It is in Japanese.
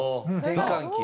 転換期や。